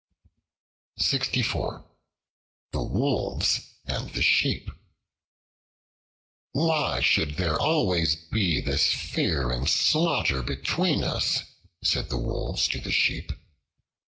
The Wolves and the Sheep "WHY SHOULD there always be this fear and slaughter between us?" said the Wolves to the Sheep.